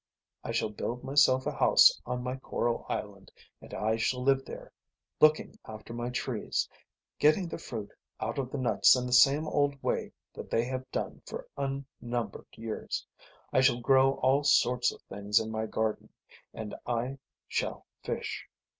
I shall build myself a house on my coral island and I shall live there, looking after my trees getting the fruit out of the nuts in the same old way that they have done for unnumbered years I shall grow all sorts of things in my garden, and I shall fish.